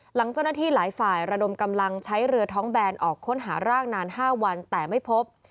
หลังเจ้าหน้าที่หลายฝ่ายระดมกำลังใช้เรือท้องแบนออกค้นหาร่างนาน๕วันแต่ไม่พบ